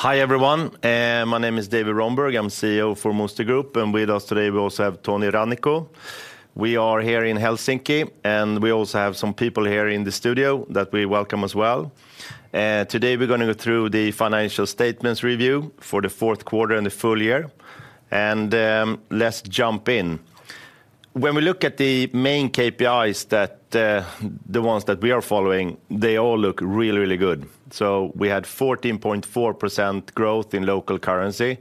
Hi, everyone. My name is David Rönnberg. I'm CEO for Musti Group, and with us today, we also have Toni Rannikko. We are here in Helsinki, and we also have some people here in the studio that we welcome as well. Today we're gonna go through the financial statements review for the fourth quarter and the full year, and let's jump in. When we look at the main KPIs that the ones that we are following, they all look really, really good. So we had 14.4% growth in local currency.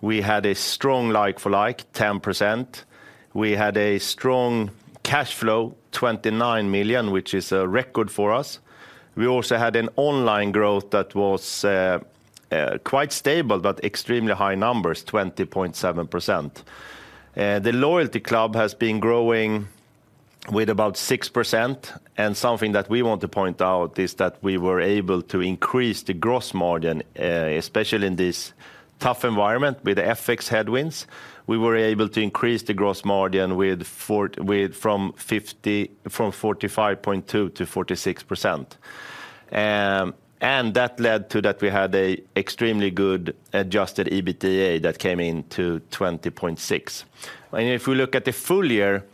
We had a strong like-for-like, 10%. We had a strong cash flow, 29 million, which is a record for us. We also had an online growth that was quite stable, but extremely high numbers, 20.7%. The loyalty club has been growing with about 6%, and something that we want to point out is that we were able to increase the gross margin, especially in this tough environment with the FX headwinds. We were able to increase the gross margin from 45.2%-46%. And that led to that we had an extremely good Adjusted EBITDA that came in to 20.6. And if we look at the full year,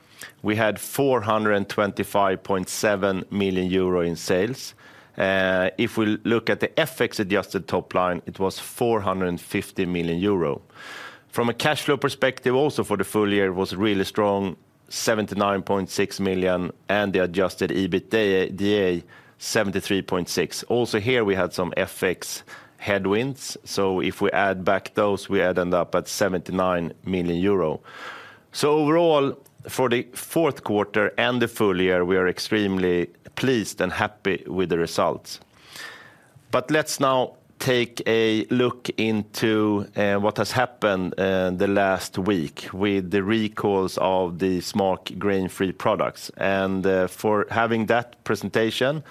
we had 425.7 million euro in sales. If we look at the FX-adjusted top line, it was 450 million euro. From a cash flow perspective, also for the full year, it was really strong, 79.6 million, and the Adjusted EBITDA 73.6. Also here, we had some FX headwinds, so if we add back those, we end up at 79 million euro. So overall, for the fourth quarter and the full year, we are extremely pleased and happy with the results. But let's now take a look into what has happened the last week with the recalls of the SMAAK grain-free products. And for having that presentation,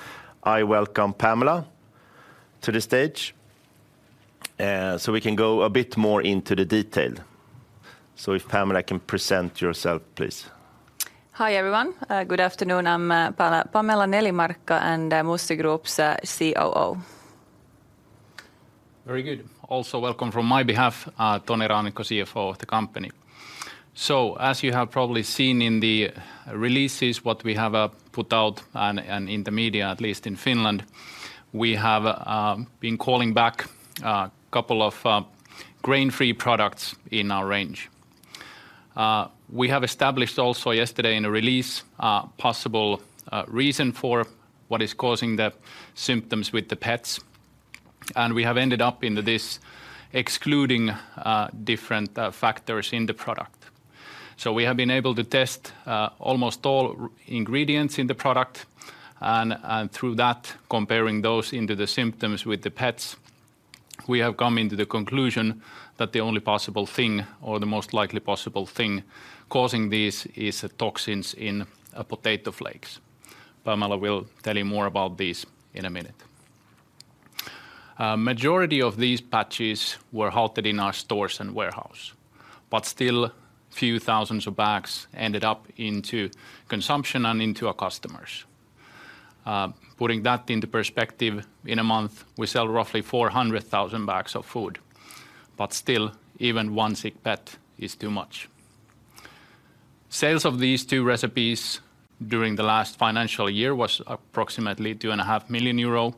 I welcome Pamela to the stage, so we can go a bit more into the detail. So if Pamela can present yourself, please. Hi, everyone. Good afternoon. I'm Pamela Nelimarkka, and Musti Group's COO. Very good. Also, welcome from my behalf, Toni Rannikko, CFO of the company. So as you have probably seen in the releases, what we have put out and in the media, at least in Finland, we have been calling back a couple of grain-free products in our range. We have established also yesterday in a release, a possible reason for what is causing the symptoms with the pets, and we have ended up into this, excluding different factors in the product. So we have been able to test almost all ingredients in the product, and through that, comparing those into the symptoms with the pets, we have come into the conclusion that the only possible thing or the most likely possible thing causing this is the toxins in potato flakes. Pamela will tell you more about this in a minute. Majority of these batches were halted in our stores and warehouse, but still, few thousands of bags ended up into consumption and into our customers. Putting that into perspective, in a month, we sell roughly 400,000 bags of food, but still, even one sick pet is too much. Sales of these two recipes during the last financial year was approximately 2.5 million euro,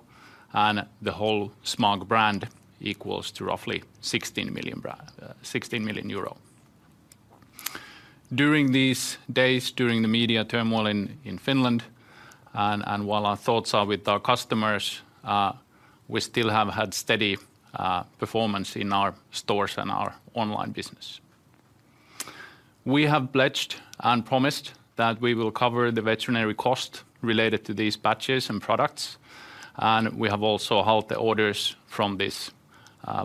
and the whole SMAAK brand equals to roughly sixteen million brand, sixteen million euro. During these days, during the media turmoil in Finland, and while our thoughts are with our customers, we still have had steady performance in our stores and our online business. We have pledged and promised that we will cover the veterinary cost related to these batches and products, and we have also halted the orders from this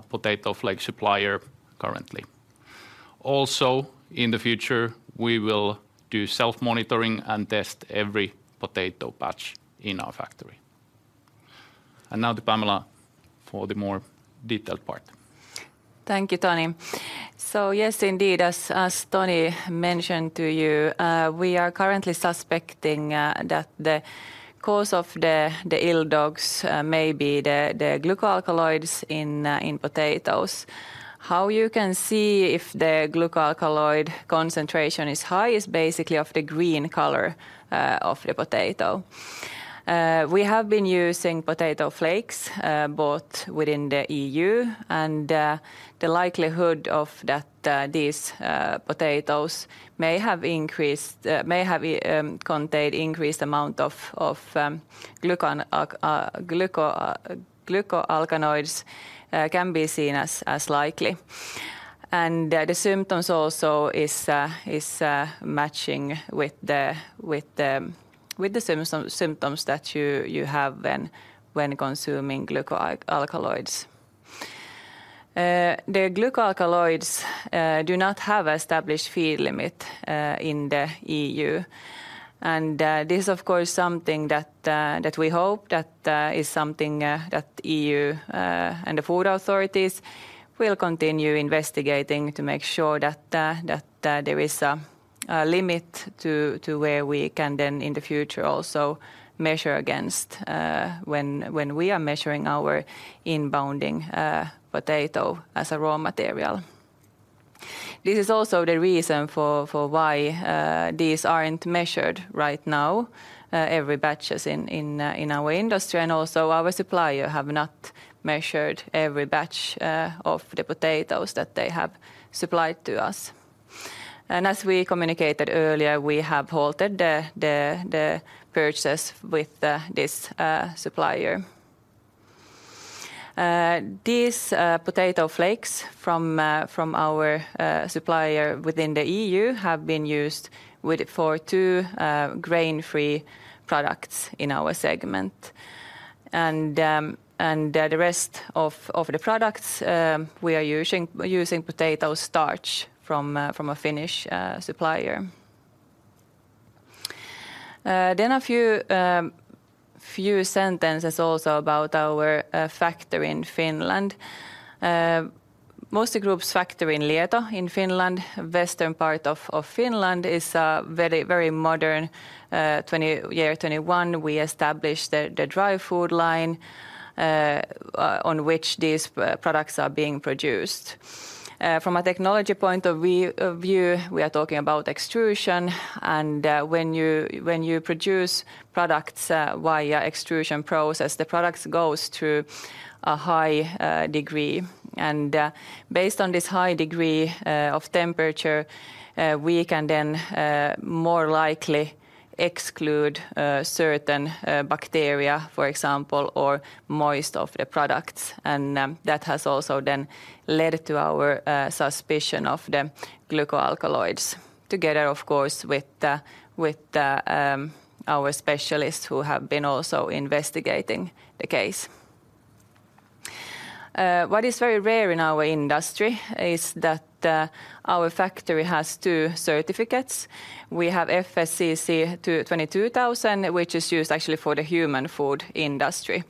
potato flake supplier currently. Also, in the future, we will do self-monitoring and test every potato batch in our factory. And now to Pamela for the more detailed part. Thank you, Toni. So yes, indeed, as Toni mentioned to you, we are currently suspecting that the cause of the ill dogs may be the glycoalkaloids in potatoes. How you can see if the glycoalkaloid concentration is high is basically of the green color of the potato. We have been using potato flakes both within the EU and the likelihood that these potatoes may have contained increased amount of glycoalkaloids can be seen as likely. And the symptoms also is matching with the symptoms that you have when consuming glycoalkaloids. The Glycoalkaloids do not have established feed limit in the EU, and this is, of course, something that we hope that is something that EU and the food authorities will continue investigating to make sure that there is a limit to where we can then in the future also measure against when we are measuring our inbounding potato as a raw material. This is also the reason for why these aren't measured right now every batches in our industry, and also our supplier have not measured every batch of the potatoes that they have supplied to us. As we communicated earlier, we have halted the purchase with this supplier. These potato flakes from our supplier within the EU have been used for two grain-free products in our segment. The rest of the products we are using potato starch from a Finnish supplier. Then a few sentences also about our factory in Finland. Musti Group's factory in Lieto in Finland, western part of Finland, is a very modern 2021. We established the dry food line on which these products are being produced. From a technology point of view, we are talking about extrusion, and when you produce products via extrusion process, the products goes through a high degree. Based on this high degree of temperature, we can then more likely exclude certain bacteria, for example, or most of the products. That has also then led to our suspicion of the glycoalkaloids, together, of course, with our specialists who have been also investigating the case. What is very rare in our industry is that our factory has two certificates. We have FSSC 22000, which is used actually for the human food industry.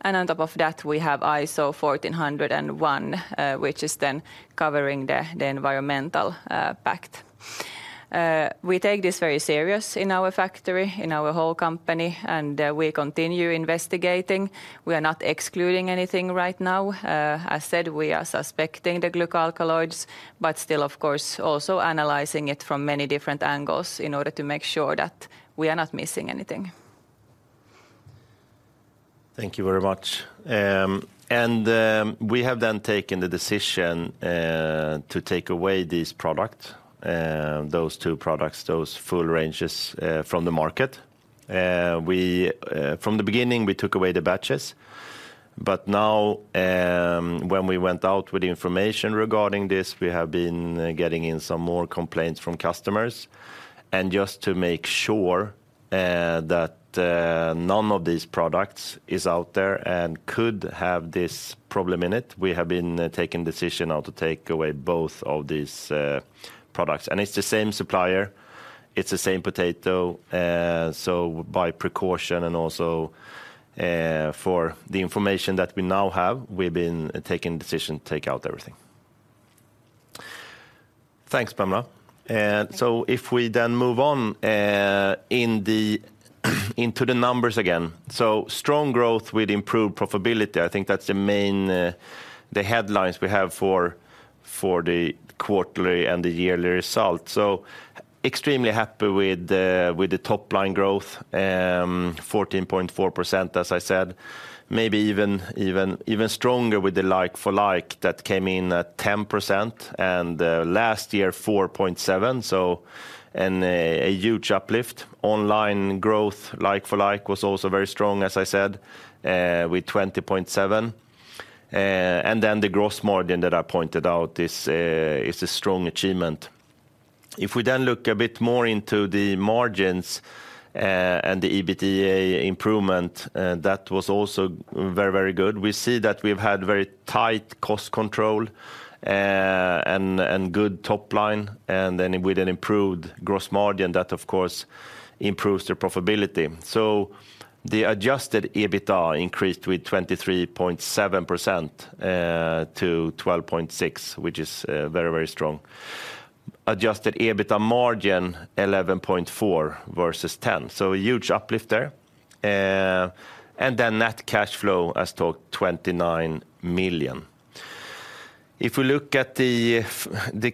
And on top of that, we have ISO 14001, which is then covering the environmental impact. We take this very seriously in our factory, in our whole company, and we continue investigating. We are not excluding anything right now. As said, we are suspecting the glycoalkaloids, but still of course, also analyzing it from many different angles in order to make sure that we are not missing anything. Thank you very much. We have then taken the decision to take away this product, those two products, those full ranges from the market. From the beginning, we took away the batches, but now, when we went out with the information regarding this, we have been getting in some more complaints from customers. And just to make sure none of these products is out there and could have this problem in it, we have been taking decision now to take away both of these products. And it's the same supplier, it's the same potato, so by precaution and also for the information that we now have, we've been taking decision to take out everything. Thanks, Pamela. If we then move on into the numbers again. So strong growth with improved profitability, I think that's the main, the headlines we have for the quarterly and the yearly results. So extremely happy with the top line growth, 14.4%, as I said, maybe even stronger with the like for like, that came in at 10%, and last year, 4.7%, so. And a huge uplift. Online growth like for like was also very strong, as I said, with 20.7%. And then the gross margin that I pointed out is a strong achievement. If we then look a bit more into the margins and the EBITDA improvement, that was also very, very good. We see that we've had very tight cost control and good top line, and then with an improved gross margin, that of course improves the profitability. So the Adjusted EBITDA increased with 23.7% to 12.6 million, which is very, very strong. Adjusted EBITDA margin, 11.4% versus 10%, so a huge uplift there. And then net cash flow, as talked, 29 million. If we look at the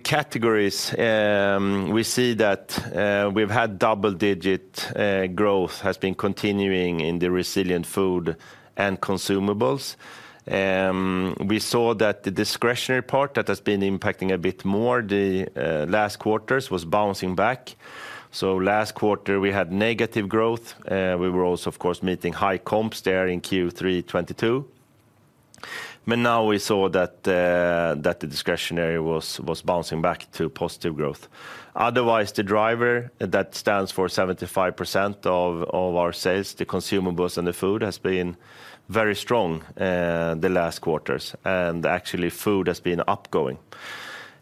categories, we see that we've had double-digit growth has been continuing in the resilient food and consumables. We saw that the discretionary part, that has been impacting a bit more the last quarters, was bouncing back. So last quarter we had negative growth, we were also, of course, meeting high comps there in Q3 2022. But now we saw that the discretionary was bouncing back to positive growth. Otherwise, the driver that stands for 75% of our sales, the consumables and the food, has been very strong the last quarters, and actually food has been upgoing.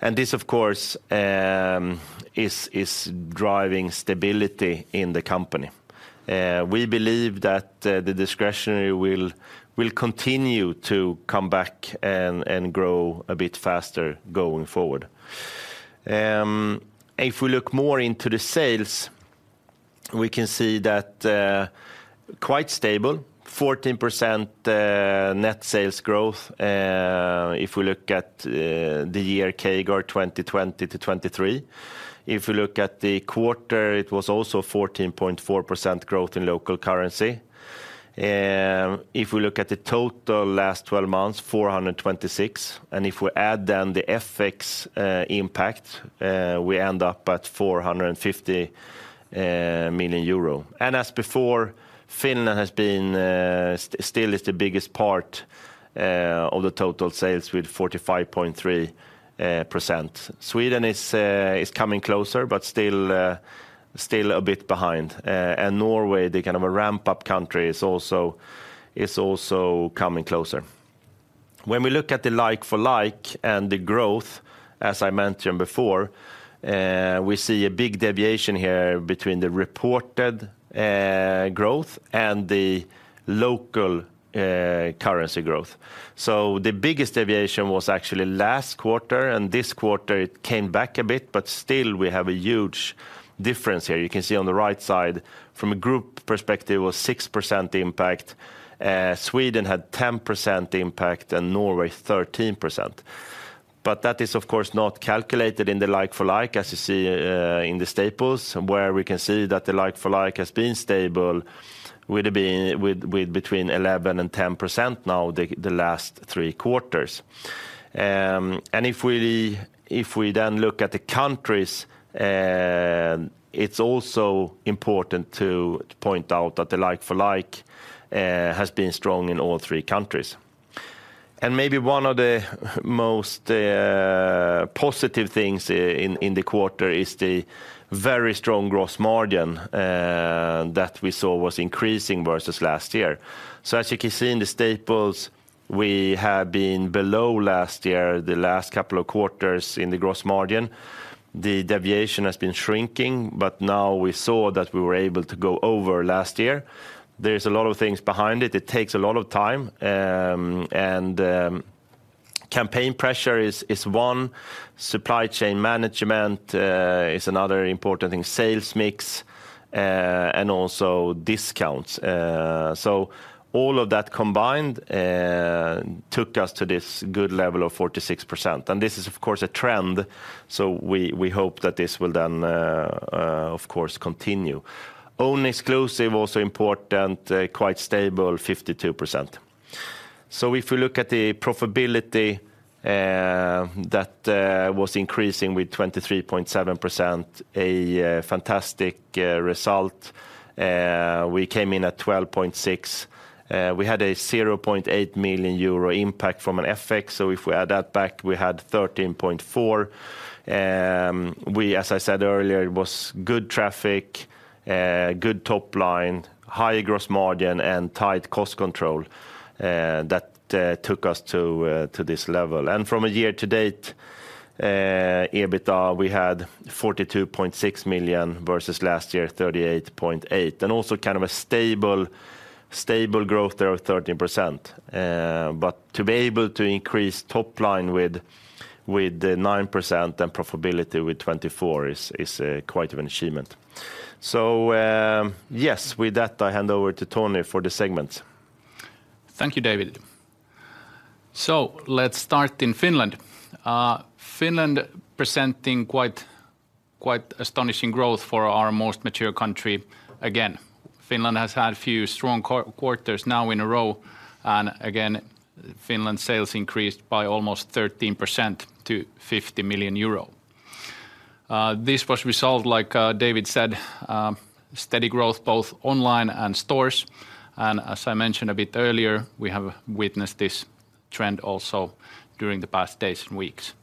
And this, of course, is driving stability in the company. We believe that the discretionary will continue to come back and grow a bit faster going forward. If we look more into the sales, we can see that quite stable 14% net sales growth, if we look at the year CAGR 2020 to 2023. If we look at the quarter, it was also 14.4% growth in local currency. If we look at the total last 12 months, 426 million, and if we add then the FX impact, we end up at 450 million euro. And as before, Finland has been, still is the biggest part of the total sales with 45.3%. Sweden is coming closer, but still, still a bit behind. And Norway, the kind of a ramp-up country, is also coming closer. When we look at the like-for-like and the growth, as I mentioned before, we see a big deviation here between the reported growth and the local currency growth. So the biggest deviation was actually last quarter, and this quarter it came back a bit, but still we have a huge difference here. You can see on the right side, from a group perspective, it was 6% impact. Sweden had 10% impact, and Norway 13%. But that is, of course, not calculated in the like-for-like, as you see, in the staples, where we can see that the like-for-like has been stable with it being between 11% and 10% now, the last three quarters. And if we then look at the countries, it's also important to point out that the like-for-like has been strong in all three countries. And maybe one of the most positive things in the quarter is the very strong gross margin that we saw was increasing versus last year. So as you can see in the staples, we have been below last year, the last couple of quarters in the gross margin. The deviation has been shrinking, but now we saw that we were able to go over last year. There's a lot of things behind it. It takes a lot of time, and campaign pressure is one. Supply chain management is another important thing, sales mix, and also discounts. So all of that combined took us to this good level of 46%. And this is, of course, a trend, so we hope that this will then, of course, continue. Own & Exclusive, also important, quite stable, 52%. So if you look at the profitability, that was increasing with 23.7%, a fantastic result. We came in at 12.6. We had a 0.8 million euro impact from an FX, so if we add that back, we had 13.4 million. As I said earlier, it was good traffic, good top line, high gross margin, and tight cost control that took us to this level. And from a year-to-date EBITDA, we had 42.6 million, versus last year, 38.8 million. And also kind of a stable growth there of 13%. But to be able to increase top line with the 9% and profitability with 24% is quite of an achievement. So, yes, with that, I hand over to Toni for the segment. Thank you, David. So let's start in Finland. Finland presenting quite, quite astonishing growth for our most mature country again. Finland has had a few strong quarters now in a row, and again, Finland's sales increased by almost 13% to 50 million euro. This was resolved, like, David said, steady growth, both online and stores. And as I mentioned a bit earlier, we have witnessed this trend also during the past days and weeks.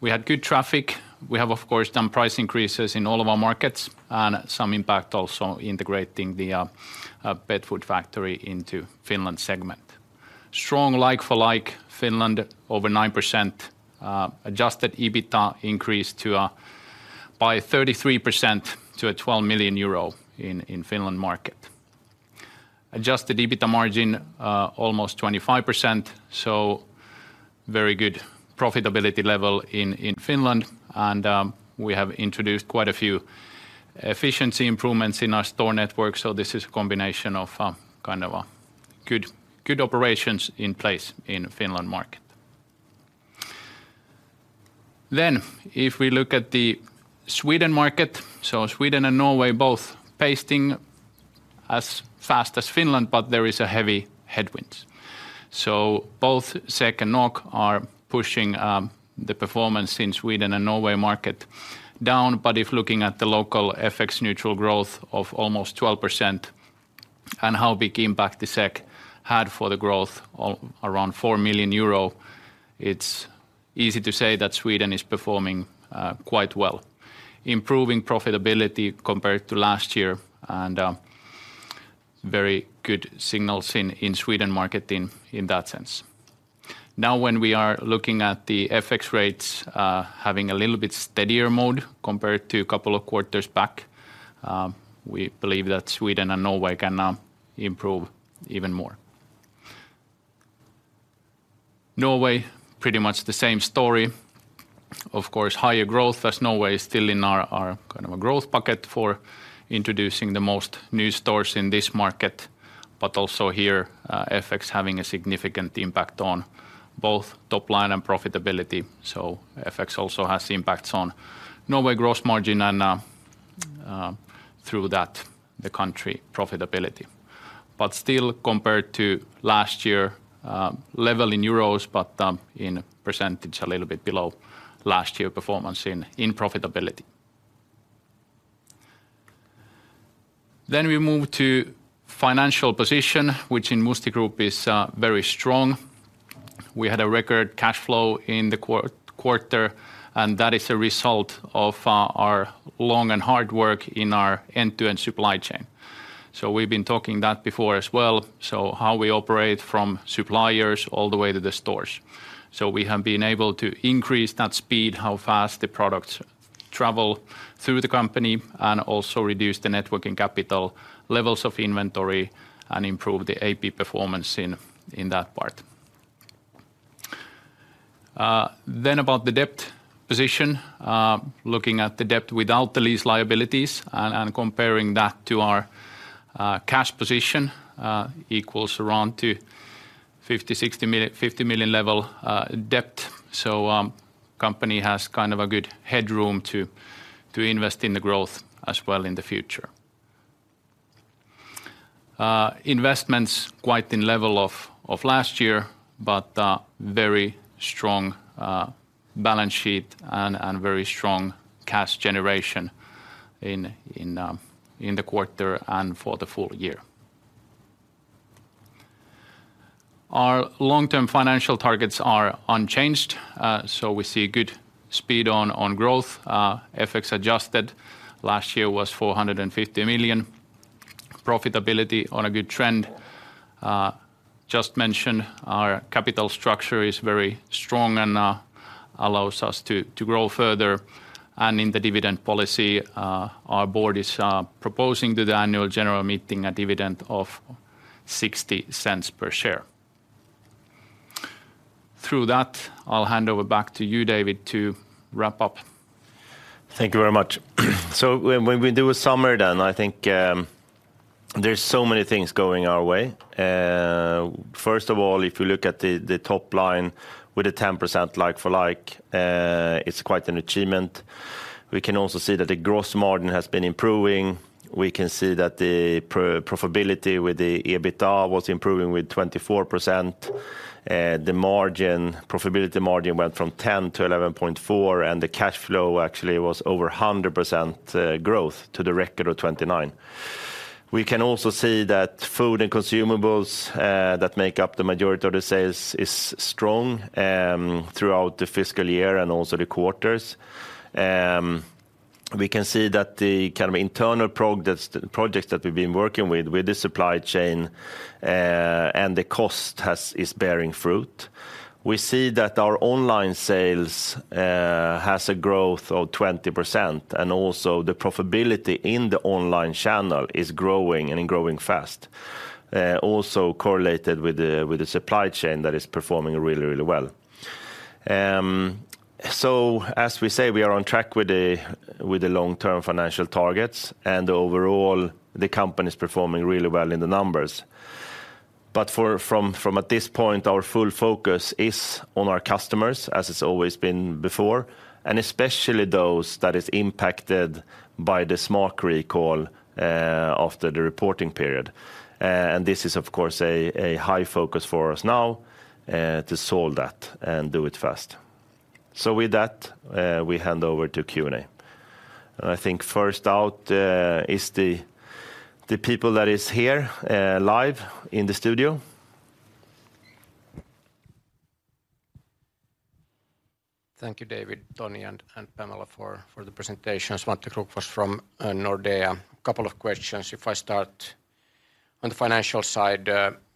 We had good traffic. We have, of course, done price increases in all of our markets and some impact also integrating the pet food factory into Finland segment. Strong like-for-like, Finland over 9%, adjusted EBITDA increased by 33% to 12 million euro in Finland market. Adjusted EBITDA margin almost 25%, so very good profitability level in Finland, and we have introduced quite a few efficiency improvements in our store network. So this is a combination of kind of a good operations in place in Finland market. Then, if we look at the Sweden market, so Sweden and Norway, both pacing as fast as Finland, but there is a heavy headwinds. So both SEK and NOK are pushing the performance in Sweden and Norway market down. But if looking at the local FX neutral growth of almost 12% and how big impact the SEK had for the growth of around 4 million euro, it's easy to say that Sweden is performing quite well, improving profitability compared to last year. And very good signals in Sweden market in that sense. Now, when we are looking at the FX rates, having a little bit steadier mode compared to a couple of quarters back, we believe that Sweden and Norway can now improve even more. Norway, pretty much the same story. Of course, higher growth, as Norway is still in our kind of a growth bucket for introducing the most new stores in this market. But also here, FX having a significant impact on both top line and profitability. So FX also has impacts on Norway gross margin and, through that, the country profitability. But still, compared to last year, level in euros, but in percentage, a little bit below last year performance in profitability. Then we move to financial position, which in Musti Group is very strong. We had a record cash flow in the quarter, and that is a result of our long and hard work in our end-to-end supply chain. So we've been talking that before as well, so how we operate from suppliers all the way to the stores. So we have been able to increase that speed, how fast the products travel through the company, and also reduce the net working capital levels of inventory, and improve the AP performance in that part. Then about the debt position. Looking at the debt without the lease liabilities and comparing that to our cash position equals around 50-60 million-50 million level debt. So company has kind of a good headroom to invest in the growth as well in the future. Investments quite in level of last year, but very strong balance sheet and very strong cash generation in the quarter and for the full year. Our long-term financial targets are unchanged. So we see good speed on growth. FX adjusted last year was 450 million. Profitability on a good trend. Just mentioned, our capital structure is very strong and allows us to grow further. In the dividend policy, our board is proposing to the annual general meeting a dividend of 0.60 per share. Through that, I'll hand over back to you, David, to wrap up. Thank you very much. So when we do a summary then, I think, there's so many things going our way. First of all, if you look at the top line with a 10% like-for-like, it's quite an achievement. We can also see that the gross margin has been improving. We can see that the profitability with the EBITDA was improving with 24%. The margin, profitability margin went from 10% to 11.4%, and the cash flow actually was over 100% growth to the record of 29. We can also see that food and consumables that make up the majority of the sales is strong throughout the fiscal year and also the quarters. We can see that the kind of internal projects that we've been working with the supply chain and the cost is bearing fruit. We see that our online sales has a growth of 20%, and also the profitability in the online channel is growing, and growing fast. Also correlated with the supply chain that is performing really, really well. So as we say, we are on track with the long-term financial targets, and overall, the company's performing really well in the numbers. But from this point, our full focus is on our customers, as it's always been before, and especially those that is impacted by the SMAAK recall after the reporting period. And this is, of course, a high focus for us now to solve that and do it fast. So with that, we hand over to Q&A. And I think first out is the people that is here live in the studio. Thank you, David Rönnberg, Toni Rannikko, and Pamela Nelimarkka for the presentations. Matias Kärkkäinen from Nordea. Couple of questions. If I start on the financial side,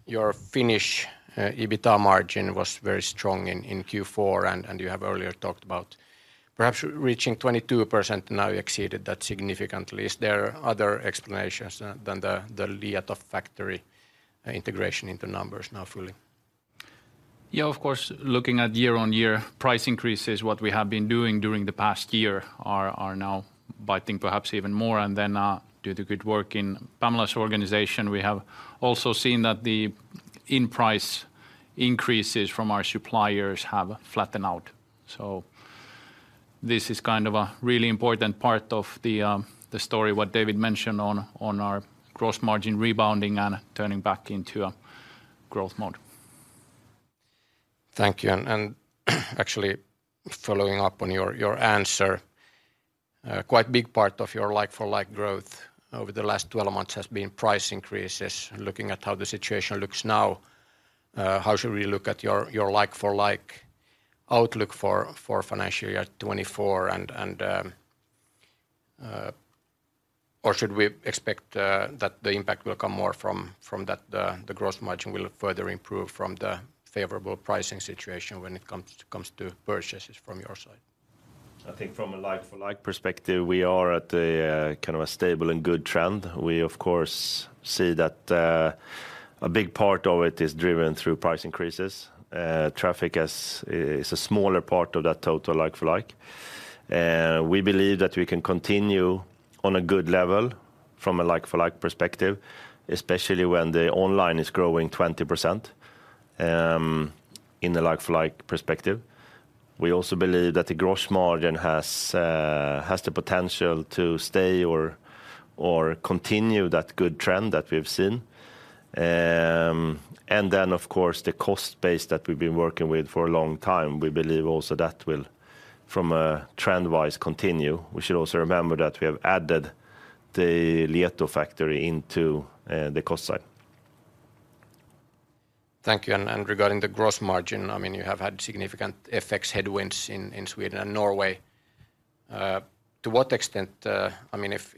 your Finnish EBITDA margin was very strong in Q4, and you have earlier talked about perhaps reaching 22%, now you exceeded that significantly. Is there other explanations than the Lieto factory integration into numbers now fully? Yeah, of course. Looking at year-over-year price increases, what we have been doing during the past year are now biting perhaps even more. And then, due to the good work in Pamela's organization, we have also seen that the input price increases from our suppliers have flattened out. So this is kind of a really important part of the story, what David mentioned on our gross margin rebounding and turning back into a growth mode. Thank you. And actually following up on your answer, quite big part of your like-for-like growth over the last 12 months has been price increases. Looking at how the situation looks now, how should we look at your like-for-like outlook for financial year 2024, and or should we expect that the impact will come more from that the gross margin will further improve from the favorable pricing situation when it comes to purchases from your side? I think from a like-for-like perspective, we are at a kind of a stable and good trend. We, of course, see that a big part of it is driven through price increases. Traffic as is a smaller part of that total like-for-like. We believe that we can continue on a good level from a like-for-like perspective, especially when the online is growing 20% in a like-for-like perspective. We also believe that the gross margin has the potential to stay or continue that good trend that we've seen. And then of course, the cost base that we've been working with for a long time, we believe also that will from a trend-wise continue. We should also remember that we have added the Lieto factory into the cost side. Thank you, and regarding the gross margin, I mean, you have had significant FX headwinds in Sweden and Norway. To what extent, I mean, if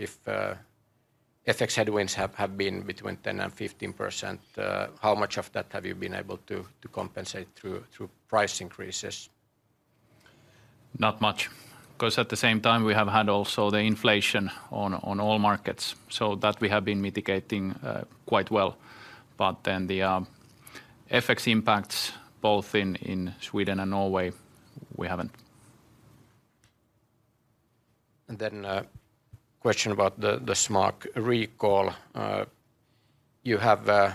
FX headwinds have been between 10% and 15%, how much of that have you been able to compensate through price increases? Not much, 'cause at the same time, we have had also the inflation on all markets, so that we have been mitigating quite well. But then the FX impacts both in Sweden and Norway, we haven't. Question about the SMAAK recall. You have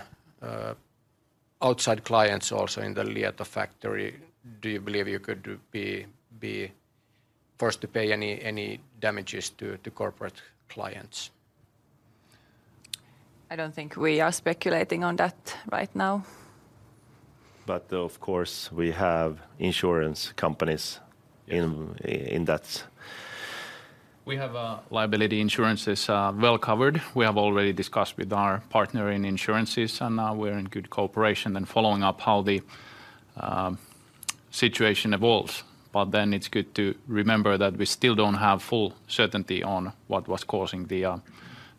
outside clients also in the Lieto factory. Do you believe you could be forced to pay any damages to corporate clients? I don't think we are speculating on that right now. But of course, we have insurance companies in that. We have liability insurance is well covered. We have already discussed with our partner in insurances, and now we're in good cooperation and following up how the situation evolves. But then it's good to remember that we still don't have full certainty on what was causing the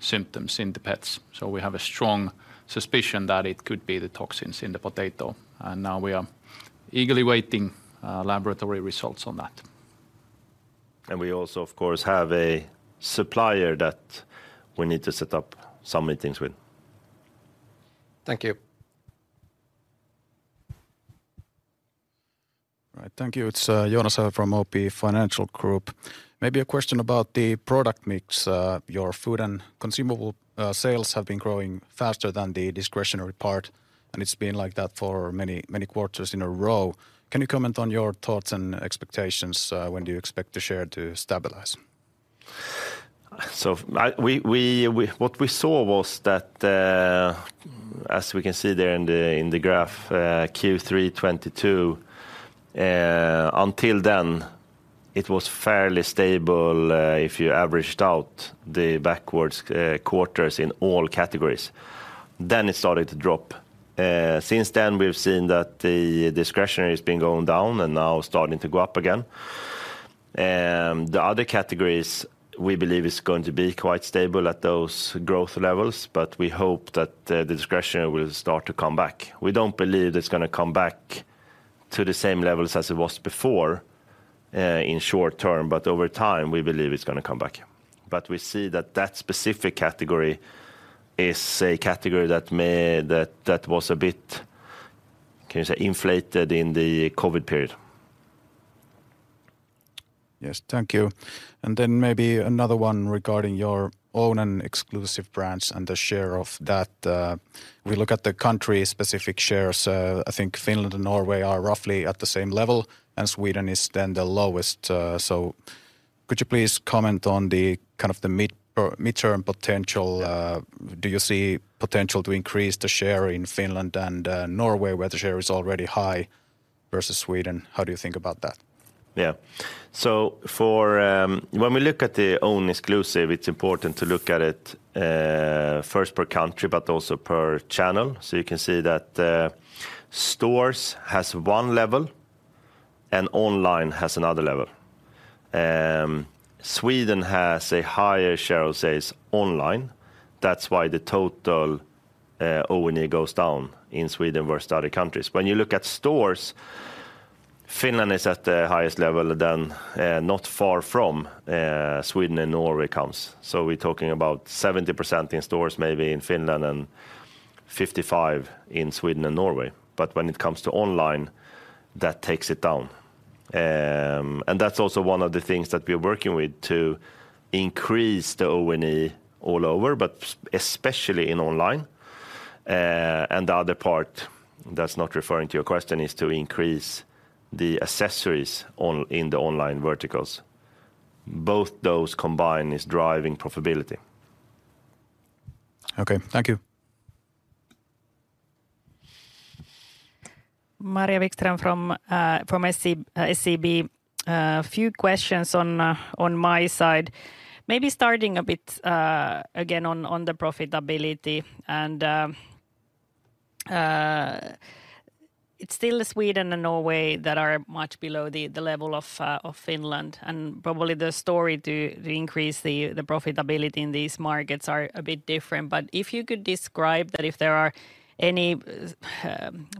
symptoms in the pets. So we have a strong suspicion that it could be the toxins in the potato, and now we are eagerly waiting laboratory results on that. We also, of course, have a supplier that we need to set up some meetings with. Thank you. Right. Thank you. It's Joonas from OP Financial Group. Maybe a question about the product mix. Your food and consumable sales have been growing faster than the discretionary part, and it's been like that for many, many quarters in a row. Can you comment on your thoughts and expectations? When do you expect the share to stabilize? What we saw was that, as we can see there in the graph, Q3 2022, until then, it was fairly stable, if you averaged out the backwards quarters in all categories, then it started to drop. Since then, we've seen that the discretionary has been going down and now starting to go up again. The other categories, we believe, is going to be quite stable at those growth levels, but we hope that the discretionary will start to come back. We don't believe it's gonna come back to the same levels as it was before, in short term, but over time, we believe it's gonna come back. But we see that that specific category is a category that may... That was a bit, can you say, inflated in the COVID period? Yes. Thank you. And then maybe another one regarding your own and exclusive brands and the share of that. We look at the country-specific shares. I think Finland and Norway are roughly at the same level, and Sweden is then the lowest. So could you please comment on the kind of the mid-term potential? Do you see potential to increase the share in Finland and Norway, where the share is already high versus Sweden? How do you think about that? Yeah. So for, when we look at the own exclusive, it's important to look at it, first per country, but also per channel. So you can see that the stores has one level and online has another level. Sweden has a higher share of sales online. That's why the total, O&E goes down in Sweden versus other countries. When you look at stores, Finland is at the highest level, then, not far from, Sweden and Norway comes. So we're talking about 70% in stores, maybe in Finland, and 55% in Sweden and Norway. But when it comes to online, that takes it down. And that's also one of the things that we're working with to increase the O&E all over, but especially in online. And the other part, that's not referring to your question, is to increase the accessories in the online verticals. Both those combined is driving profitability. Okay. Thank you. Maria Wikström from SEB. A few questions on my side. Maybe starting a bit again on the profitability and-... it's still Sweden and Norway that are much below the level of Finland, and probably the story to increase the profitability in these markets are a bit different. But if you could describe that if there are any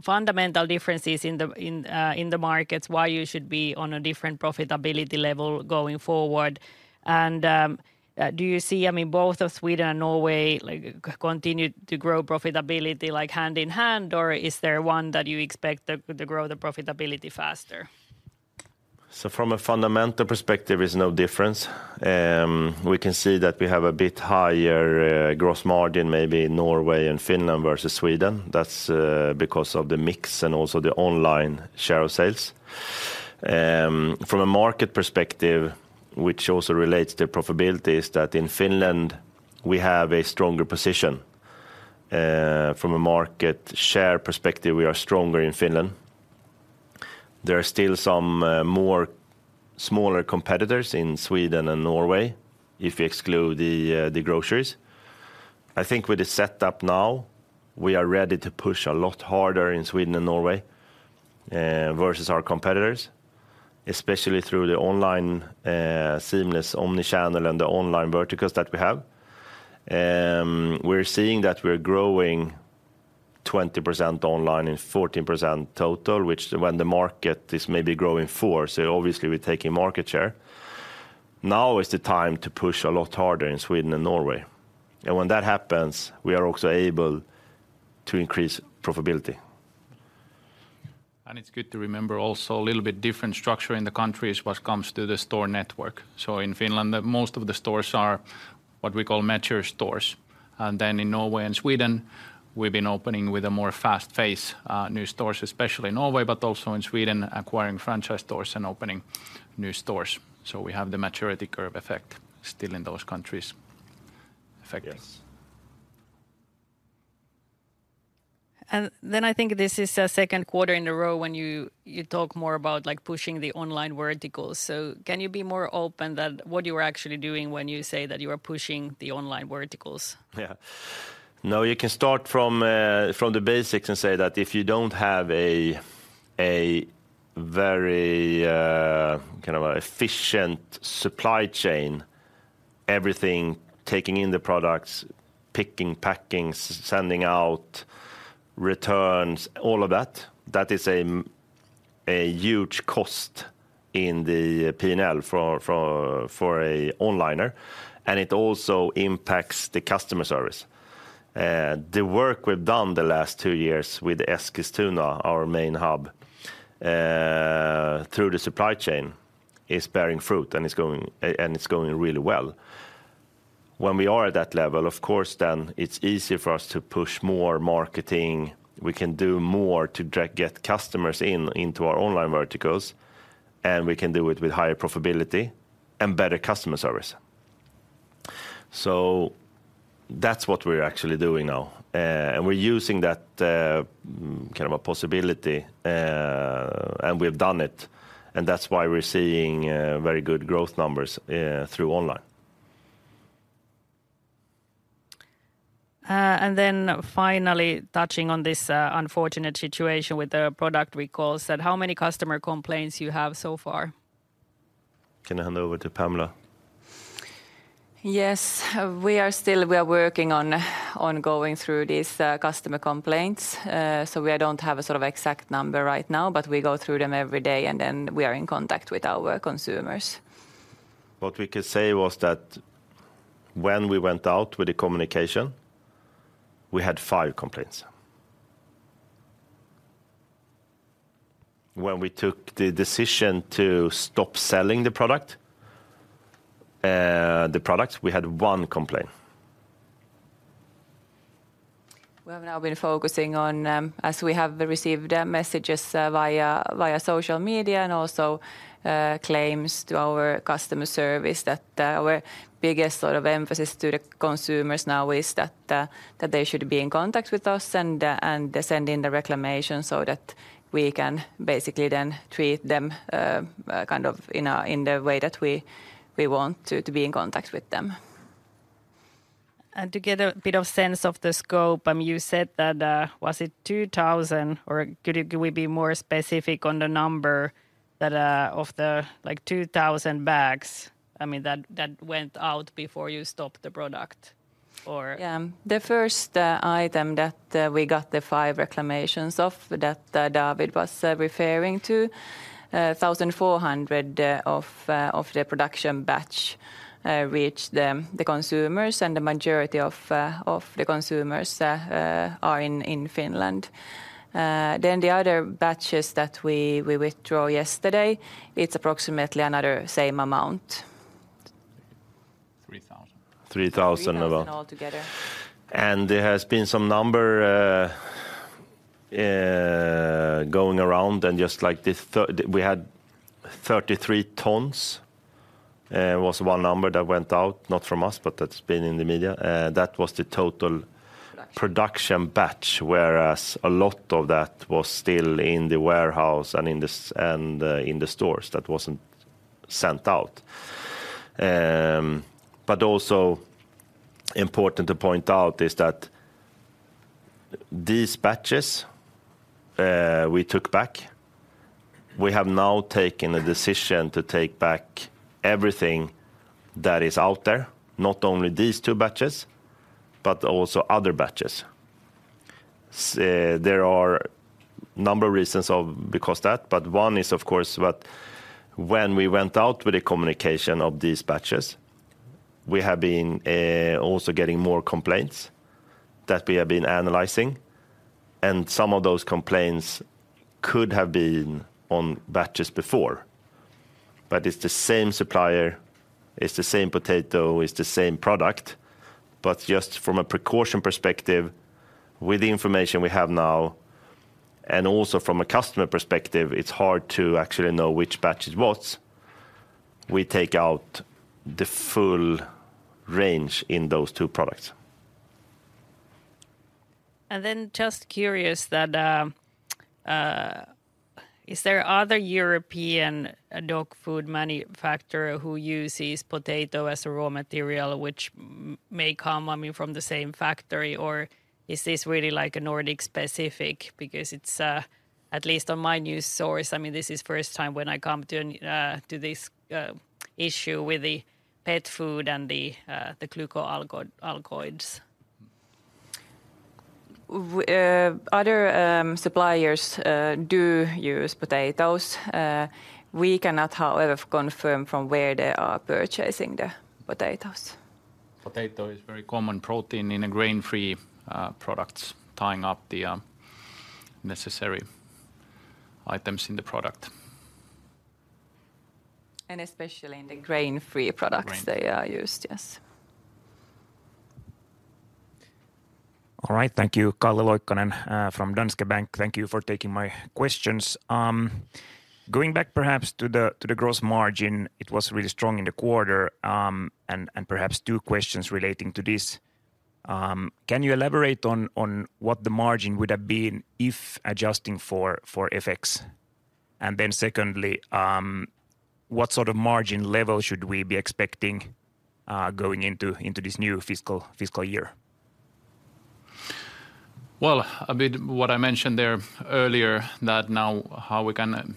fundamental differences in the markets, why you should be on a different profitability level going forward? And do you see, I mean, both of Sweden and Norway, like, continue to grow profitability, like, hand in hand, or is there one that you expect to grow the profitability faster? So from a fundamental perspective, there's no difference. We can see that we have a bit higher gross margin, maybe Norway and Finland versus Sweden. That's because of the mix and also the online share of sales. From a market perspective, which also relates to profitability, is that in Finland we have a stronger position. From a market share perspective, we are stronger in Finland. There are still some more smaller competitors in Sweden and Norway if you exclude the groceries. I think with the setup now, we are ready to push a lot harder in Sweden and Norway versus our competitors, especially through the online seamless omnichannel and the online verticals that we have. We're seeing that we're growing 20% online and 14% total, which when the market is maybe growing 4%, so obviously we're taking market share. Now is the time to push a lot harder in Sweden and Norway, and when that happens, we are also able to increase profitability. It's good to remember also a little bit different structure in the countries what comes to the store network. So in Finland, the most of the stores are what we call mature stores. And then in Norway and Sweden, we've been opening with a more fast phase, new stores, especially Norway, but also in Sweden, acquiring franchise stores and opening new stores. So we have the maturity curve effect still in those countries. Yes. I think this is the second quarter in a row when you talk more about, like, pushing the online verticals. Can you be more open that what you are actually doing when you say that you are pushing the online verticals? Yeah. Now you can start from the basics and say that if you don't have a very kind of efficient supply chain, everything, taking in the products, picking, packing, sending out, returns, all of that, that is a huge cost in the P&L for a onliner, and it also impacts the customer service. The work we've done the last two years with Eskilstuna, our main hub, through the supply chain, is bearing fruit, and it's going and it's going really well. When we are at that level, of course, then it's easier for us to push more marketing. We can do more to get customers in, into our online verticals, and we can do it with higher profitability and better customer service. So that's what we're actually doing now, and we're using that kind of a possibility, and we've done it, and that's why we're seeing very good growth numbers through online. And then finally, touching on this unfortunate situation with the product recalls, that, how many customer complaints you have so far? Can I hand over to Pamela? Yes. We are still working on going through these customer complaints. So we don't have a sort of exact number right now, but we go through them every day, and then we are in contact with our consumers. What we could say was that when we went out with the communication, we had five complaints. When we took the decision to stop selling the product, the products, we had one complaint. We have now been focusing on, as we have received messages via social media and also claims to our customer service, that our biggest sort of emphasis to the consumers now is that they should be in contact with us and and send in the reclamation so that we can basically then treat them kind of in a in the way that we we want to to be in contact with them. To get a bit of sense of the scope, I mean, you said that, was it 2,000, or could you... Could we be more specific on the number that, of the, like, 2,000 bags, I mean, that, that went out before you stopped the product or- Yeah. The first item that we got the five reclamations of, that David was referring to, 1,400 of the production batch reached the consumers, and the majority of the consumers are in Finland. Then the other batches that we withdraw yesterday, it's approximately another same amount. 3,000. 3,000 about. 3,000 altogether. There has been some number going around and just like we had 33 tons was one number that went out, not from us, but that's been in the media. That was the total- Production... production batch, whereas a lot of that was still in the warehouse and in the stores. That wasn't sent out. But also important to point out is that these batches, we took back, we have now taken a decision to take back everything that is out there, not only these two batches, but also other batches. There are a number of reasons of because that, but one is, of course, that when we went out with the communication of these batches, we have been also getting more complaints that we have been analyzing, and some of those complaints could have been on batches before. But it's the same supplier, it's the same potato, it's the same product, but just from a precaution perspective, with the information we have now, and also from a customer perspective, it's hard to actually know which batch it was. We take out the full range in those two products. Just curious that, is there other European dog food manufacturer who uses potato as a raw material, which may come, I mean, from the same factory, or is this really, like, a Nordic specific? Because it's, at least on my news source, I mean, this is first time when I come to this issue with the pet food and the glycoalkaloids. Other suppliers do use potatoes. We cannot, however, confirm from where they are purchasing the potatoes. Potato is very common protein in a grain-free products, tying up the necessary items in the product. Especially in the grain-free products. Grain-... they are used, yes. All right. Thank you. Calle Loikkanen from Danske Bank. Thank you for taking my questions. Going back perhaps to the gross margin, it was really strong in the quarter. And perhaps two questions relating to this. Can you elaborate on what the margin would have been if adjusting for FX? And then secondly, what sort of margin level should we be expecting going into this new fiscal year? Well, a bit what I mentioned there earlier, that now how we can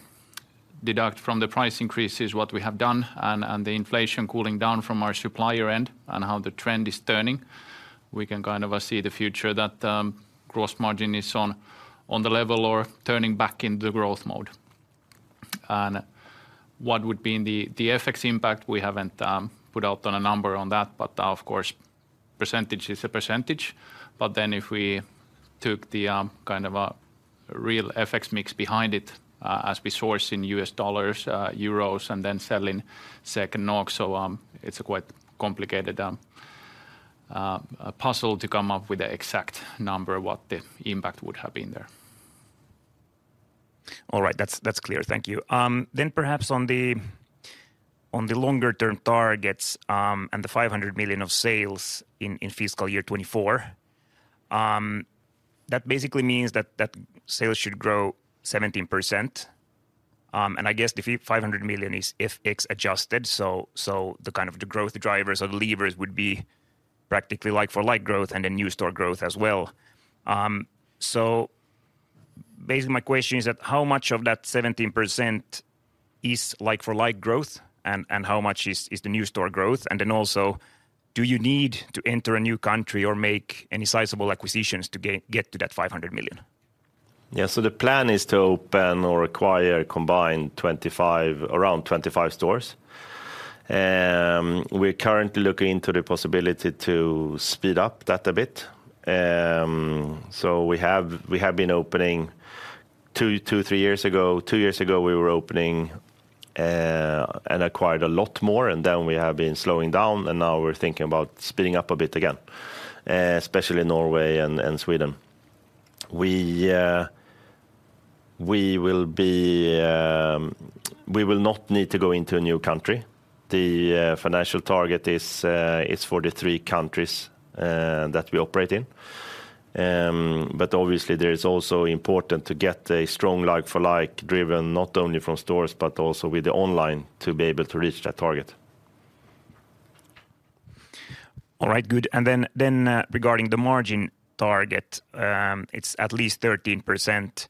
deduct from the price increase is what we have done, and the inflation cooling down from our supplier end and how the trend is turning. We can kind of see the future that gross margin is on the level or turning back in the growth mode. And what would be in the FX impact, we haven't put out a number on that, but, of course, percentage is a percentage. But then if we took the kind of a real FX mix behind it, as we source in US dollars, euros, and then sell in SEK and NOK, so it's a quite complicated puzzle to come up with the exact number, what the impact would have been there. All right. That's clear. Thank you. Then perhaps on the longer-term targets, and the 500 million of sales in fiscal year 2024, that basically means that sales should grow 17%. And I guess the 500 million is FX adjusted, so the kind of the growth drivers or the levers would be practically like for like growth and then new store growth as well. So basically my question is that, how much of that 17% is like for like growth, and how much is the new store growth? And then also, do you need to enter a new country or make any sizable acquisitions to get to that 500 million? Yeah, so the plan is to open or acquire combined 25, around 25 stores. We're currently looking into the possibility to speed up that a bit. So we have been opening two-three years ago. Two years ago, we were opening and acquired a lot more, and then we have been slowing down, and now we're thinking about speeding up a bit again, especially in Norway and Sweden. We will not need to go into a new country. The financial target is for the three countries that we operate in. But obviously, there is also important to get a strong like-for-like, driven not only from stores, but also with the online, to be able to reach that target. All right, good. And then regarding the margin target, it's at least 13%.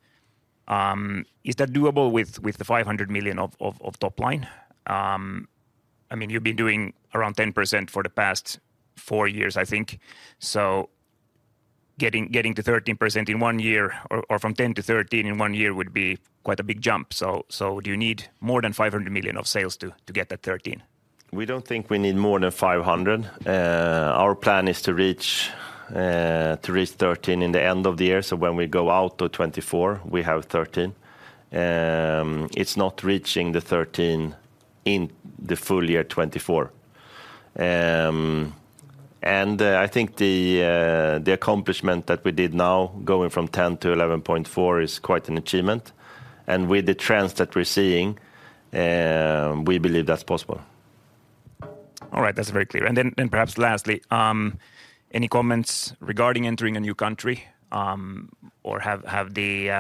Is that doable with the 500 million of top line? I mean, you've been doing around 10% for the past four years, I think. So getting to 13% in one year or from 10%-13% in one year would be quite a big jump. So do you need more than 500 million of sales to get that 13%? We don't think we need more than 500. Our plan is to reach, to reach 13 in the end of the year. So when we go out to 2024, we have 13. It's not reaching the 13 in the full year 2024. And, I think the, the accomplishment that we did now, going from 10 to 11.4, is quite an achievement. And with the trends that we're seeing, we believe that's possible.... All right, that's very clear. And then, perhaps lastly, any comments regarding entering a new country, or have the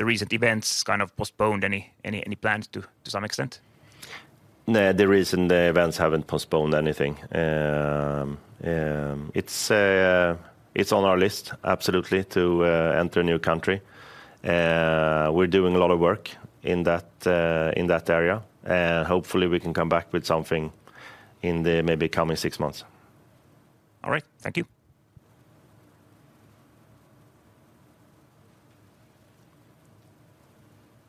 recent events kind of postponed any plans to some extent? No, the recent events haven't postponed anything. It's on our list, absolutely, to enter a new country. We're doing a lot of work in that area, and hopefully we can come back with something in the maybe coming six months. All right. Thank you.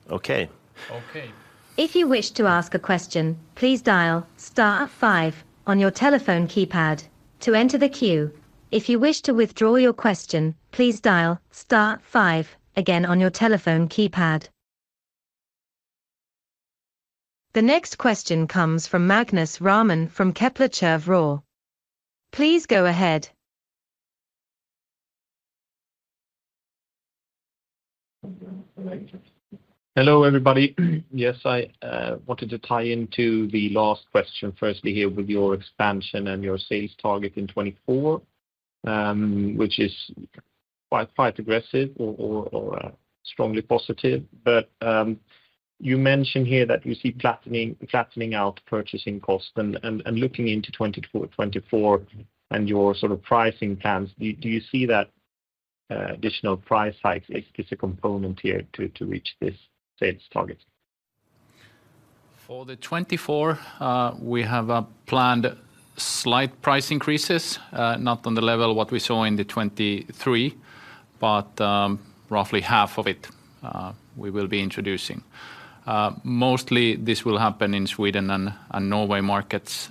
Okay. Okay. If you wish to ask a question, please dial star five on your telephone keypad to enter the queue. If you wish to withdraw your question, please dial star five again on your telephone keypad. The next question comes from Magnus Rahm from Kepler Cheuvreux. Please go ahead. Hello, everybody. Yes, I wanted to tie into the last question, firstly, here with your expansion and your sales target in 2024, which is quite aggressive or strongly positive. But, you mentioned here that you see flattening out purchasing costs and looking into 2024, 2024 and your sort of pricing plans. Do you see that additional price hike is a component here to reach this sales target? For the 2024, we have planned slight price increases, not on the level of what we saw in the 2023, but roughly half of it, we will be introducing. Mostly this will happen in Sweden and Norway markets,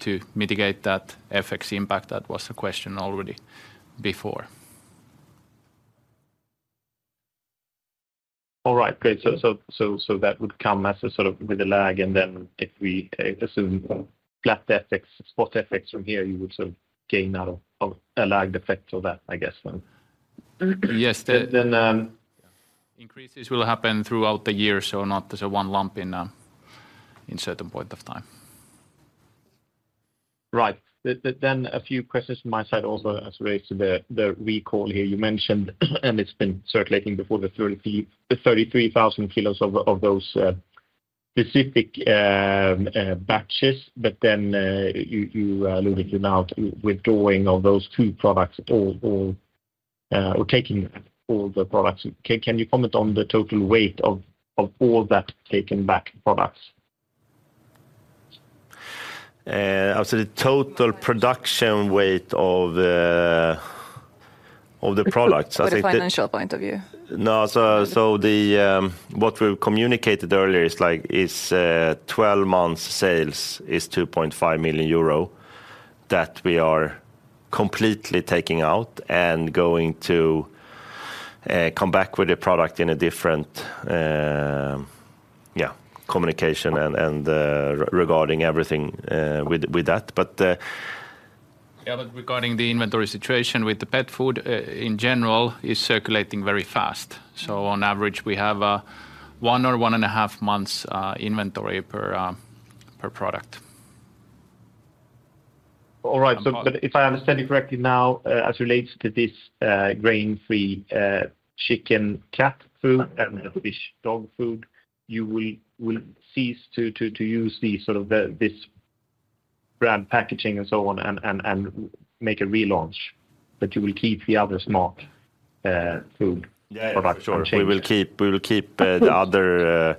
to mitigate that FX impact. That was a question already before. All right, great. So that would come as a sort of with a lag, and then if we assume flat FX, spot FX from here, you would sort of gain out of a lagged effect of that, I guess, then. Yes. Then, um- Increases will happen throughout the year, so not there's a one lump in, in certain point of time. Right. Then a few questions on my side also as relates to the recall here. You mentioned, and it's been circulating before, the 33,000 kilos of those specific batches, but then you looking now withdrawing of those two products or, or, or taking all the products. Can you comment on the total weight of all that taken back products? I would say the total production weight of the products, I think- From a financial point of view. No. So, what we communicated earlier is, like, is, 12 months sales is 2.5 million euro, that we are completely taking out and going to come back with a product in a different, yeah, communication and, and, regarding everything, with, with that. But, Yeah, but regarding the inventory situation with the pet food, in general, is circulating very fast. So on average, we have one or 1.5 months inventory per product. All right. So but if I understand you correctly now, as it relates to this grain-free chicken cat food and fish dog food, you will cease to use the sort of this brand packaging and so on and make a relaunch, but you will keep the other smart food products unchanged. Yeah, sure. We will keep, we will keep the other...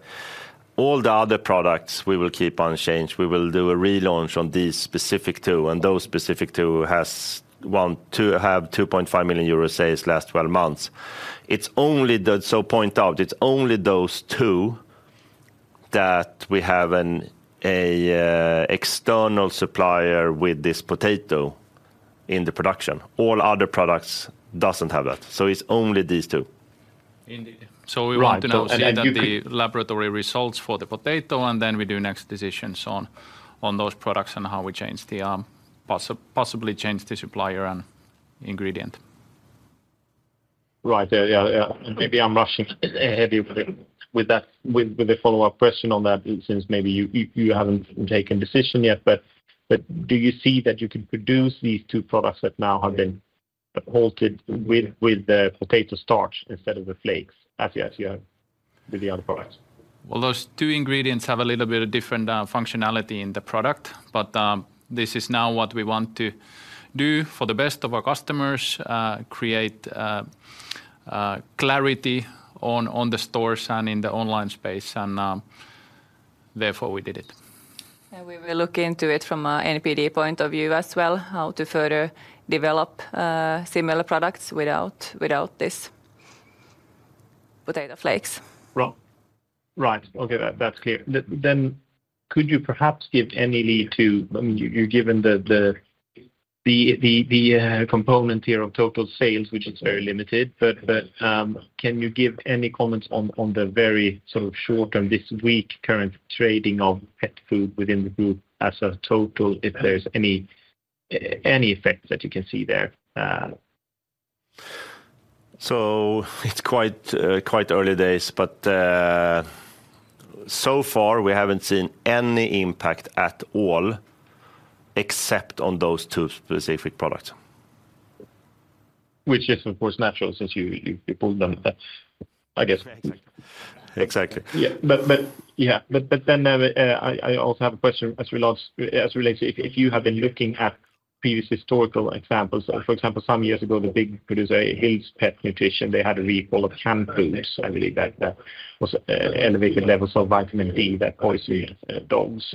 All the other products, we will keep unchanged. We will do a relaunch on these specific two, and those specific two has won, two-- have 2.5 million euros sales last twelve months. It's only the-- So point out, it's only those two that we have an, a external supplier with this potato in the production. All other products doesn't have that, so it's only these two. Indeed. Right. So we want to now- And then you-... see the laboratory results for the potato, and then we do next decisions on those products and how we possibly change the supplier and ingredient. Right. Yeah, yeah. Maybe I'm rushing ahead of you with that, with the follow-up question on that, since maybe you haven't taken a decision yet. But do you see that you can produce these two products that now have been halted with the potato starch instead of the flakes, as you have with the other products? Well, those two ingredients have a little bit of different functionality in the product, but this is now what we want to do for the best of our customers, create clarity on the stores and in the online space, and therefore, we did it. Yeah, we will look into it from a NPD point of view as well, how to further develop similar products without this potato flakes. Right. Right. Okay, that's clear. Then could you perhaps give any lead to... I mean, you're given the component here of total sales, which is very limited, but, can you give any comments on the very sort of short-term, this week current trading of pet food within the group as a total, if there's any effect that you can see there?... So it's quite early days, but so far we haven't seen any impact at all, except on those two specific products. Which is, of course, natural since you pulled them out, I guess. Exactly. Yeah. But then, I also have a question as relates to if you have been looking at previous historical examples. For example, some years ago, the big producer, Hill's Pet Nutrition, they had a recall of canned foods. I believe that was elevated levels of vitamin D that poisoned dogs.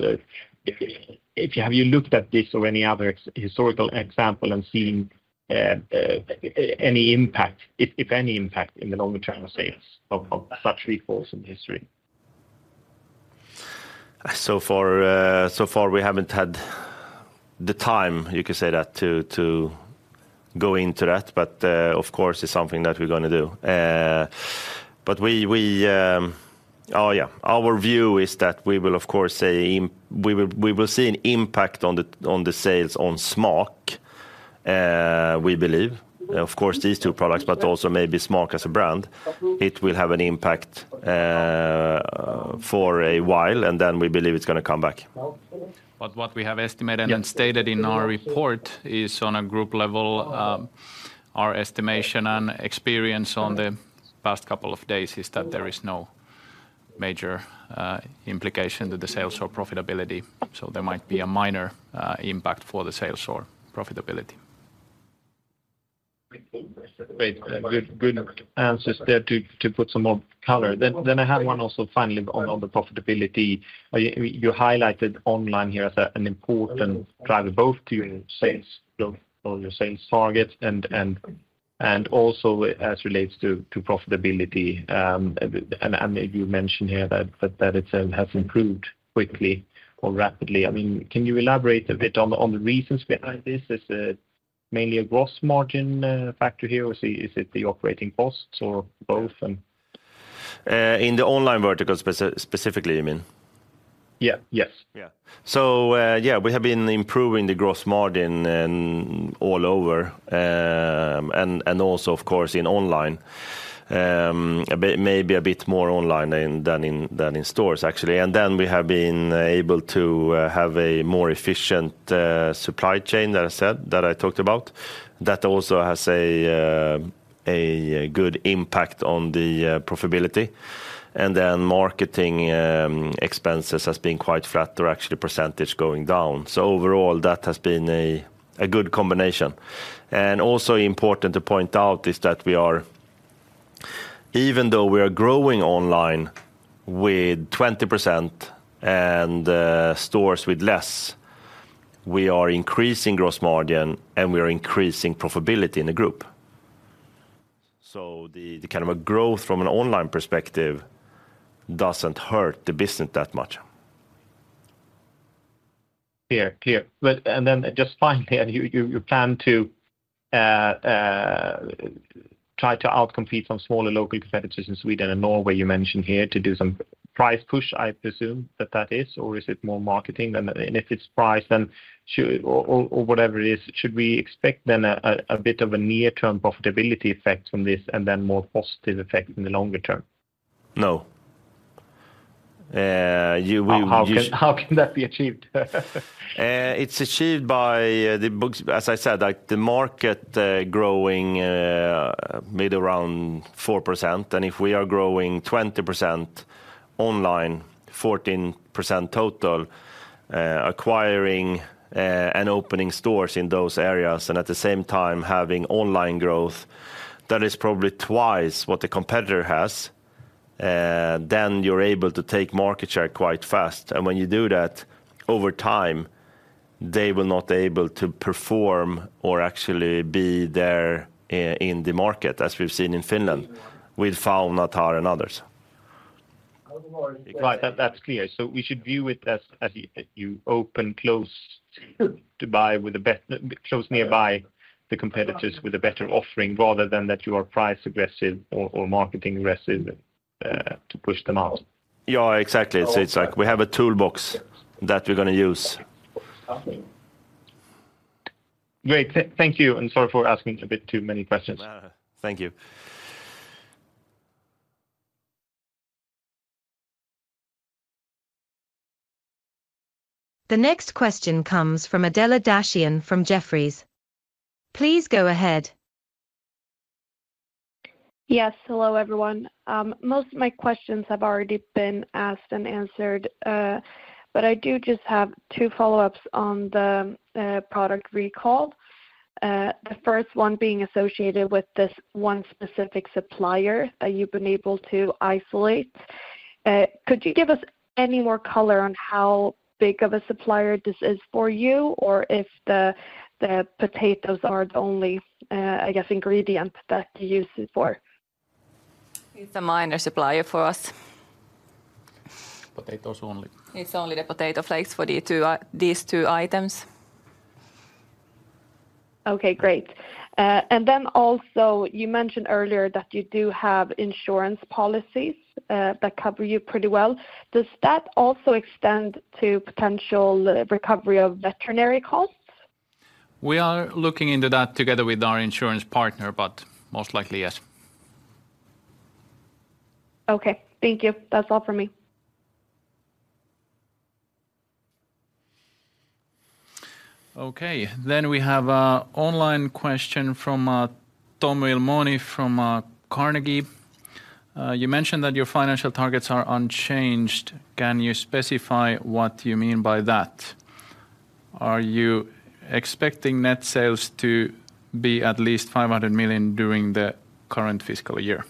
Have you looked at this or any other historical example and seen any impact, if any impact, in the longer term sales of such recalls in history? So far, so far, we haven't had the time, you could say that, to go into that, but, of course, it's something that we're gonna do. But we... Oh, yeah, our view is that we will, of course, see an impact on the sales on SMAAK, we believe. Of course, these two products, but also maybe SMAAK as a brand. It will have an impact, for a while, and then we believe it's gonna come back. But what we have estimated and stated in our report is on a group level, our estimation and experience on the past couple of days is that there is no major implication to the sales or profitability, so there might be a minor impact for the sales or profitability. Great. Good, good answers there to put some more color. Then I have one also finally on the profitability. You highlighted online here as an important driver, both to your sales growth on your sales targets and also as relates to profitability. And you mentioned here that it has improved quickly or rapidly. I mean, can you elaborate a bit on the reasons behind this? Is it mainly a gross margin factor here, or is it the operating costs or both? In the online vertical specifically, you mean? Yeah. Yes. Yeah. So, yeah, we have been improving the gross margin and all over, and also, of course, in online, a bit, maybe a bit more online than in stores, actually. And then we have been able to have a more efficient supply chain that I said, that I talked about, that also has a good impact on the profitability. And then marketing expenses has been quite flat, or actually percentage going down. So overall, that has been a good combination. And also important to point out is that we are, even though we are growing online with 20% and stores with less, we are increasing gross margin, and we are increasing profitability in the group. So the kind of a growth from an online perspective doesn't hurt the business that much. Clear. Clear. But... And then just finally, and you plan to try to outcompete some smaller local competitors in Sweden and Norway, you mentioned here, to do some price push, I presume that that is, or is it more marketing than...? And if it's price, then should or whatever it is, should we expect then a bit of a near-term profitability effect from this and then more positive effect in the longer term? No. How can that be achieved? It's achieved by the books. As I said, like, the market growing maybe around 4%, and if we are growing 20% online, 14% total, acquiring and opening stores in those areas, and at the same time having online growth, that is probably twice what the competitor has, then you're able to take market share quite fast. And when you do that, over time, they will not able to perform or actually be there in the market, as we've seen in Finland with Faunatar, and others. Right. That's clear. So we should view it as you open close by the competitors with a better offering, rather than that you are price aggressive or marketing aggressive to push them out. Yeah, exactly. So it's like we have a toolbox that we're gonna use. Great. Thank you, and sorry for asking a bit too many questions. Thank you. The next question comes from Adela Dashian from Jefferies. Please go ahead. Yes. Hello, everyone. Most of my questions have already been asked and answered, but I do just have two follow-ups on the product recall. The first one being associated with this one specific supplier you've been able to isolate. Could you give us any more color on how big of a supplier this is for you, or if the potatoes are the only, I guess, ingredient that you use it for? It's a minor supplier for us. Potatoes only. It's only the potato flakes for these two items. Okay, great. And then also, you mentioned earlier that you do have insurance policies that cover you pretty well. Does that also extend to potential recovery of veterinary costs?... We are looking into that together with our insurance partner, but most likely, yes. Okay, thank you. That's all for me. Okay, then we have an online question from Tom Ilmoni from Carnegie. "You mentioned that your financial targets are unchanged. Can you specify what you mean by that? Are you expecting net sales to be at least 500 million during the current fiscal year?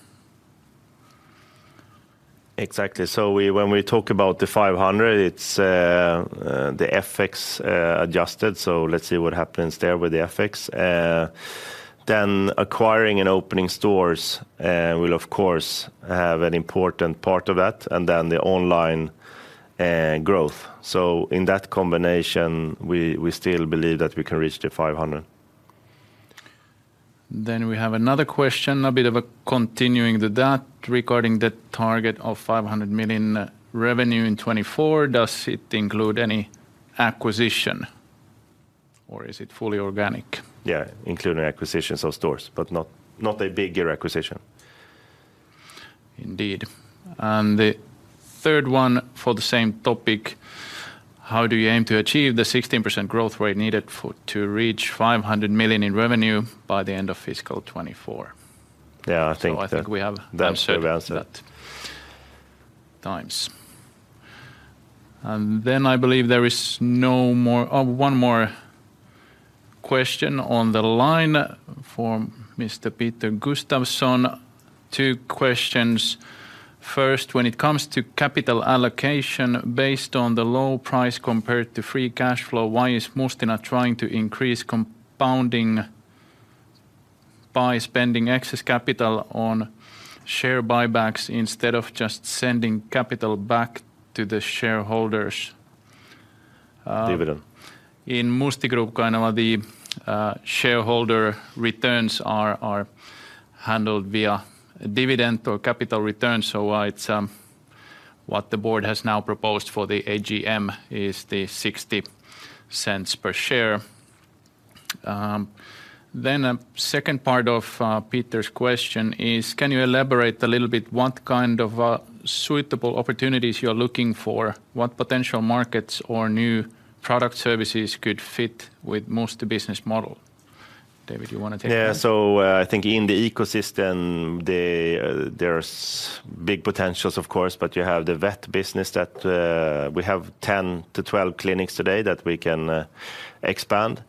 Exactly. So when we talk about the 500, it's the FX adjusted, so let's see what happens there with the FX. Then acquiring and opening stores will of course have an important part of that, and then the online growth. In that combination, we still believe that we can reach the 500. Then we have another question, a bit of a continuing to that: "Regarding the target of 500 million revenue in 2024, does it include any acquisition, or is it fully organic? Yeah, including acquisitions of stores, but not, not a bigger acquisition. Indeed. And the third one for the same topic: "How do you aim to achieve the 16% growth rate needed for-- to reach 500 million in revenue by the end of fiscal 2024? Yeah, I think that- I think we have- That's the answer.... answered that twice. And then I believe there is no more... Oh, one more question on the line from Mr. Peter Gustafsson. Two questions. First, "When it comes to capital allocation based on the low price compared to free cash flow, why is Musti not trying to increase compounding by spending excess capital on share buybacks instead of just sending capital back to the shareholders? Dividend. In Musti Group, kind of, shareholder returns are handled via dividend or capital returns, so, it's what the board has now proposed for the AGM is the 0.60 per share. Then a second part of Peter's question is, "Can you elaborate a little bit what kind of suitable opportunities you're looking for? What potential markets or new product services could fit with Musti business model?" David, you wanna take that? Yeah, so, I think in the ecosystem, there's big potentials of course, but you have the vet business that we have 10-12 clinics today that we can expand.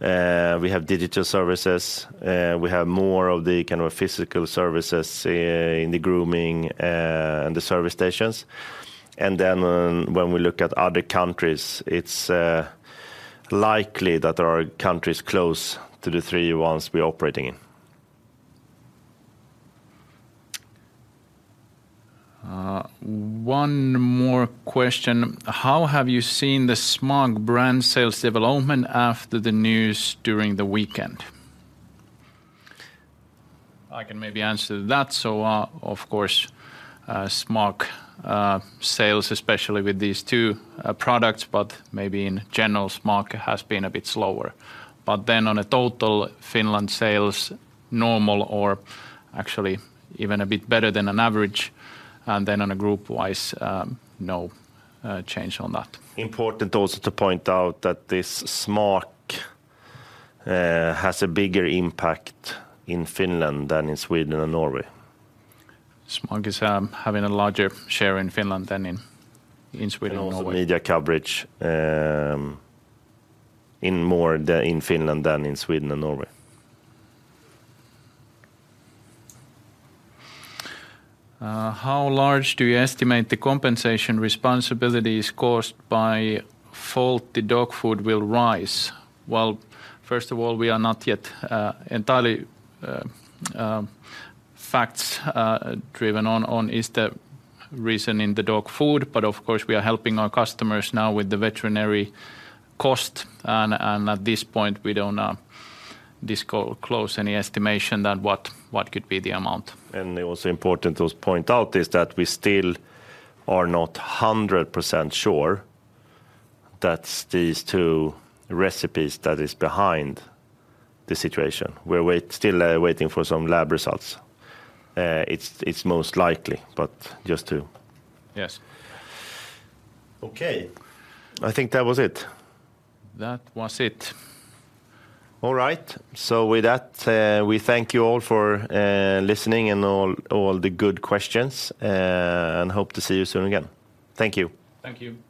We have digital services, we have more of the kind of physical services in the grooming and the service stations. And then when we look at other countries, it's likely that there are countries close to the three ones we're operating in. One more question: "How have you seen the SMAAK brand sales development after the news during the weekend?" I can maybe answer that. So, of course, SMAAK sales, especially with these two products, but maybe in general, SMAAK has been a bit slower. But then on a total, Finland sales normal or actually even a bit better than an average, and then on a group-wise, no change on that. Important also to point out that this SMAAK has a bigger impact in Finland than in Sweden and Norway. SMAAK is having a larger share in Finland than in Sweden and Norway. The media coverage, more in Finland than in Sweden and Norway. How large do you estimate the compensation responsibilities caused by faulty dog food will rise?" Well, first of all, we are not yet entirely fact-driven on what is the reason in the dog food, but of course, we are helping our customers now with the veterinary cost. And at this point, we don't disclose any estimation on what could be the amount. It is also important to point out that we still are not 100% sure that these two recipes are behind the situation. We're still waiting for some lab results. It's most likely, but just to- Yes. Okay, I think that was it. That was it. All right. So with that, we thank you all for listening and all the good questions, and hope to see you soon again. Thank you. Thank you. Thank you.